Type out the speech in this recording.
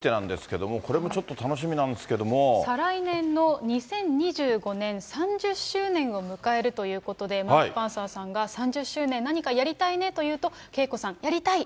それから今後についてなんですけれども、これもちょっと楽しさ来年の２０２５年、３０周年を迎えるということで、マーク・パンサーさんが３０周年何かやりたいねというと、ＫＥＩＫＯさん、やりたい！